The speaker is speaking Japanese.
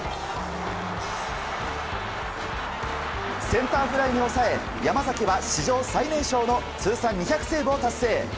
センターフライに抑え山崎は史上最年少の通算２００セーブを達成。